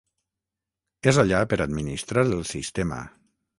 És allà per administrar el sistema.